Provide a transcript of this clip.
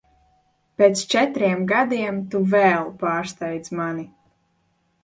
Pēc četriem gadiem tu vēl pārsteidz mani.